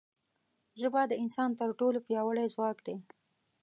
ژبه د انسان تر ټولو پیاوړی ځواک دی